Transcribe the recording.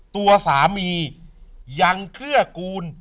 ตัวสามียังเกื้อกูล